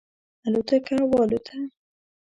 الوتکه والوته.